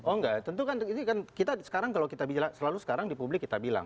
oh enggak tentu kan ini kan kita sekarang kalau kita selalu sekarang di publik kita bilang